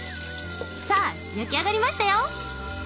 さあ焼き上がりましたよ！